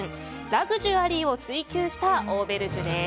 ラグジュアリーを追求したオーベルジュです。